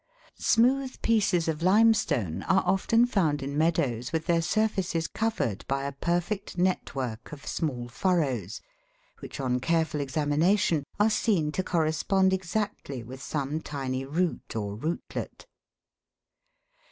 Smooth pieces of limestone are often found in meadows with their surfaces covered by a perfect network of small furrows, which on careful examination are seen to correspond exactly with some tiny root or rootlet.